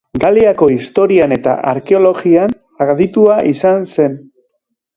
Galiako historian eta arkeologian aditua izan zen.